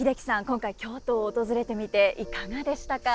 今回京都を訪れてみていかがでしたか？